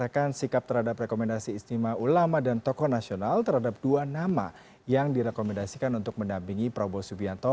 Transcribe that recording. kecuali ekonomi indonesia berarti yang paling merasakan